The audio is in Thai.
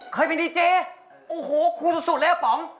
เคยเป็นดีเจโอ้โหคุณสุดแล้วป๋อง